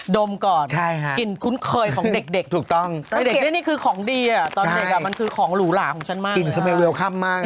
ดมก่อนกินคุ้นเคยของเด็ก